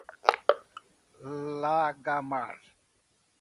Lagamar